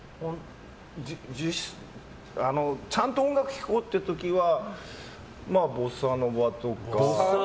ちゃんと音楽聴こうという時はボサノバとか。